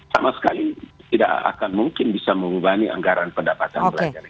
sama sekali tidak akan mungkin bisa membebani anggaran pendapatan pelajar